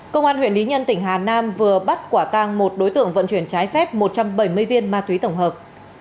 công an huyện lý nhân tỉnh hà nam vừa bắt quả tang một đối tượng vận chuyển trái phép một trăm bảy mươi viên ma túy tổng hợp